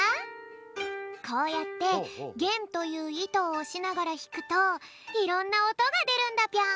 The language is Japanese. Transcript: こうやってげんといういとをおしながらひくといろんなおとがでるんだぴょん。